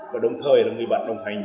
và đồng thời là người bạn đồng hành